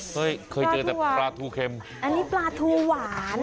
เคยเคยเจอแต่ปลาทูเค็มอันนี้ปลาทูหวาน